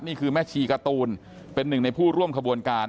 นี่คือแม่ชีการ์ตูนเป็นหนึ่งในผู้ร่วมขบวนการ